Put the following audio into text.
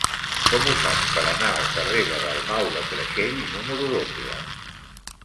Com ho faig per anar al carrer de Dalmau de Creixell número dotze?